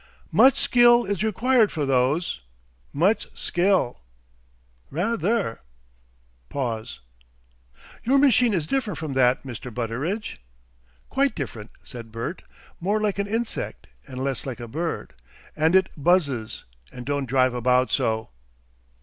"Much skill is required for those! much skill!" "Rather!" Pause. "Your machine is different from that, Mr. Butteridge?" "Quite different," said Bert. "More like an insect, and less like a bird. And it buzzes, and don't drive about so.